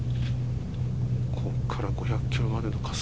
こっから５００キロまでの加速。